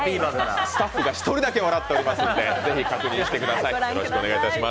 スタッフが１人だけ笑っておりますので、ぜひ、確認してください。